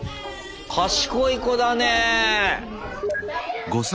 賢い子だね。